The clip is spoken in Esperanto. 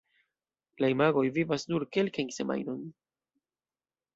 La imagoj vivas nur kelkajn semajnojn.